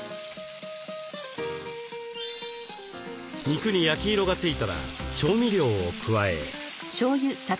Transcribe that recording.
肉に焼き色が付いたら調味料を加え。